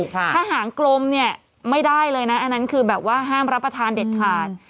ถ้าหางกลมเนี่ยไม่ได้เลยนะอันนั้นคือแบบว่าห้ามรับประทานเด็ดขาด